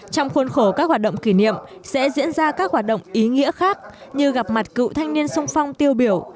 trong khuôn khổ các hoạt động kỷ niệm sẽ diễn ra các hoạt động ý nghĩa khác như gặp mặt cựu thanh niên sung phong tiêu biểu